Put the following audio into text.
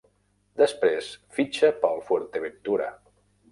Després, fitxa pel Fuerteventura.